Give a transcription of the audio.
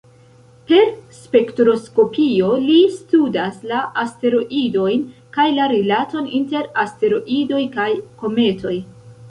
Per spektroskopio, li studas la asteroidojn, kaj la rilaton inter asteroidoj kaj kometoj.